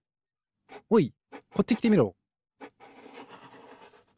おいこっちきてみろ。